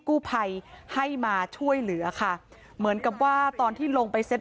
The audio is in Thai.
กู้ภัยให้มาช่วยเหลือค่ะเหมือนกับว่าตอนที่ลงไปเซ็ต